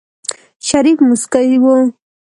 شريف موسکی و.